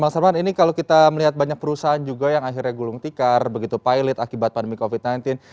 bang sarman ini kalau kita melihat banyak perusahaan juga yang akhirnya gulung tikar begitu pilot akibat pandemi covid sembilan belas